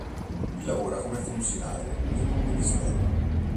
Qui lavora come funzionario in un Ministero.